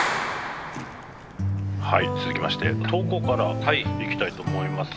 はい続きまして投稿からいきたいと思います。